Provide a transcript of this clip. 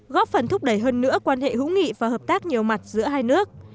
góp phần thúc đẩy hơn nữa quan hệ hữu nghị và hợp tác nhiều mặt giữa hai nước